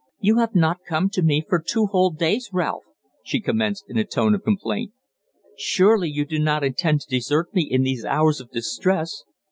"You have not come to me for two whole days, Ralph," she commenced in a tone of complaint. "Surely you do not intend to desert me in these hours of distress?"